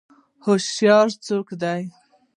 هوشیار څوک دی؟